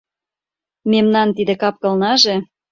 Мемнан тиде кап-кылнаже